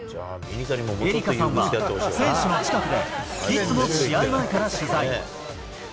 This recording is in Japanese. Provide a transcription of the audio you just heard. エリカさんは、選手の近くで、いつも試合前から取材。